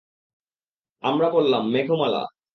আমরা বললাম, মেঘমালা!